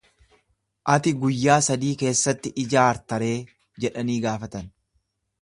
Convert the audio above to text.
Ati guyyaa sadii keessatti ijaarta ree jedhanii gaafatan.